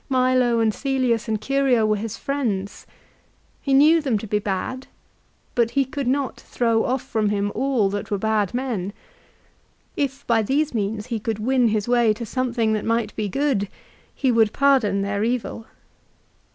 Milo and Cselius and Curio were his friends. He knew them to be bad, but he could not throw off from him all that were bad men. If by these means he could win his way to something that might be good he would pardon their evil.